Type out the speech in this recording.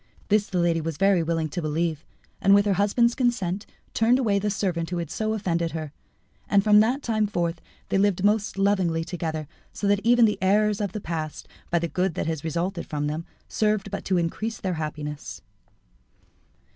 This the lady was very willing to believe, and with her husband's consent turned away the servant who had so offended her. And from that time forth they lived most lovingly together, so that even the errors of the past, by the good that had resulted from them, served but to increase their happiness.